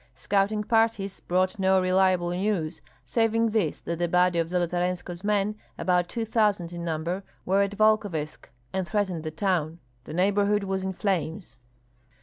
Scouting parties brought no reliable news, saving this, that a body of Zolotarenko's men, about two thousand in number, were at Volkovysk, and threatened the town. The neighborhood was in flames.